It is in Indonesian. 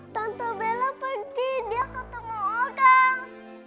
tante bella pergi dia ketemu orang